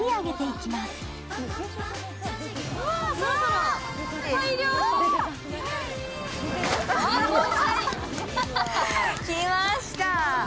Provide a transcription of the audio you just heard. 来ました！